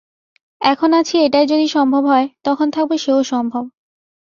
এখন আছি এটাই যদি সম্ভব হয়, তখন থাকব সেও সম্ভব।